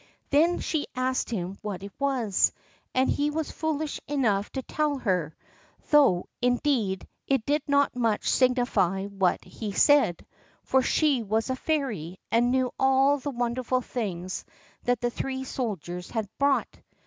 Then she asked him what it was, and he was foolish enough to tell her—though, indeed, it did not much signify what he said, for she was a fairy, and knew all the wonderful things that the three soldiers had brought.